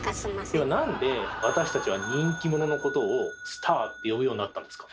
ではなんで私たちは人気者のことをスターって呼ぶようになったんですか？